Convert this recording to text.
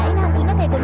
ibu sudah saya lukis